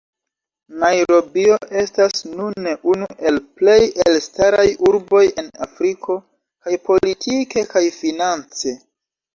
Najrobio estas nune unu el plej elstaraj urboj en Afriko, kaj politike kaj finance.